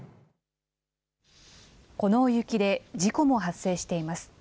この大雪で事故も発生しています。